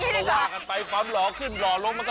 เอาคืนดีจ๊ะ